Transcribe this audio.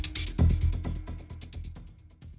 ไม่ตามความทรัพย์ที่กินก่อนเนอะ